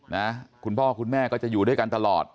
นะคุณพ่อคุณแม่ก็จะอยู่ด้วยกันตลอด